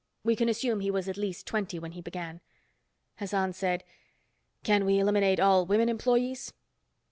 We can assume he was at least twenty when he began." Hassan said, "Can we eliminate all women employees?"